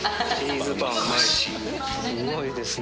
すごいですね。